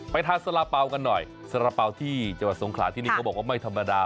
ไปทานสละเปากันหน่อยสละเปาที่เจาะสงขลาที่นี่เขาบอกว่าไม่ธรรมดา